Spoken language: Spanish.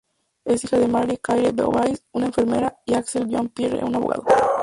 Es hija de Marie-Claire Beauvais, una enfermera y Axel Jean Pierre, un abogado.